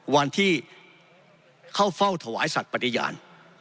วันที่เข้าเฝ้าถวายสัตว์ปฏิญาณ